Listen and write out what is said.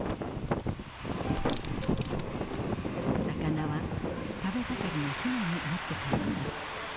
魚は食べ盛りのヒナに持って帰ります。